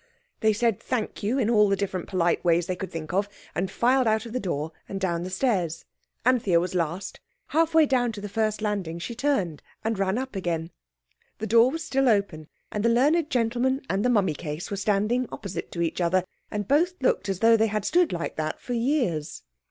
They said "Thank you" in all the different polite ways they could think of, and filed out of the door and down the stairs. Anthea was last. Half way down to the first landing she turned and ran up again. The door was still open, and the learned gentleman and the mummy case were standing opposite to each other, and both looked as though they had stood like that for years.